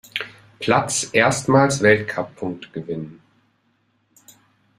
Platz erstmals Weltcup-Punkte gewinnen.